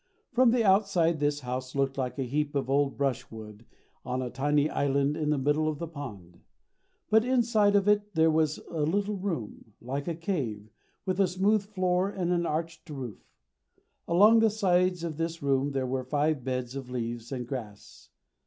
From the outside this house looked like a heap of old brush wood on a tiny island in the middle of the pond. But inside of it there was a little room, like a cave, with a smooth floor and an arched roof. Along the sides of this room there were five beds of leaves and grass.